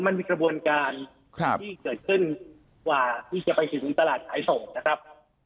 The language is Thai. มันมีกระบวนการที่เกิดขึ้นกว่าที่จะไปถึงตลาดขายส่งนะครับ